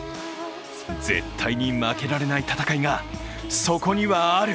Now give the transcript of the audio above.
絶対に負けられない戦いがそこにはある！